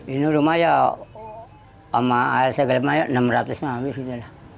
ini rumah ya sama air segala macam rp enam ratus